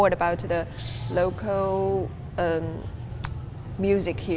tentang musik lokal di sini